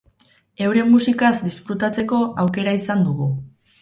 Euren musikaz disfrutatzeko aukera ere izan dugu.